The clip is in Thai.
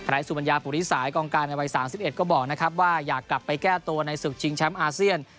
สุบัญญาปุริสายกองการในวัย๓๑ก็บอกนะครับว่าอยากกลับไปแก้ตัวในศึกชิงแชมป์อาเซียน